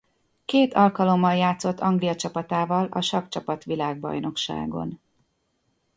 Két alkalommal játszott Anglia csapatával a sakkcsapat világbajnokságon.